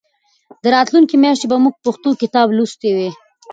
تر راتلونکې میاشتې به موږ پښتو کتاب لوستی وي.